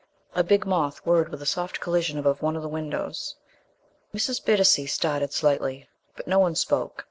A big moth whirred with a soft collision against one of the windows. Mrs. Bittacy started slightly, but no one spoke.